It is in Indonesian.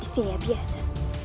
disini ya biasa